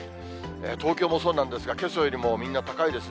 東京もそうなんですが、けさよりもみんな高いですね。